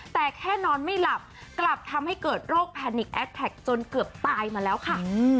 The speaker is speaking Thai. แต่แค่นอนไม่หลับกลับทำให้เกิดโรคแพนิกแอดแท็กจนเกือบตายมาแล้วค่ะ